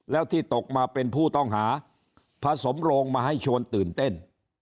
แล้วที่ตกมาเป็นผู้ต้องหาผสมโรงมาให้ชวนตื่นเต้น